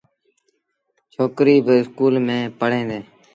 ڇوڪريݩ با اسڪول ميݩ پڙوهيݩ ديٚݩ ۔